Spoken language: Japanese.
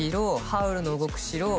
「ハウルの動く城」